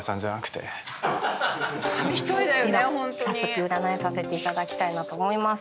では早速占いさせていただきたいなと思います。